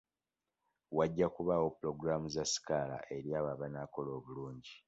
Wajja kubaawo pulogulaamu za sikaala eri abo abanaakola obulungi.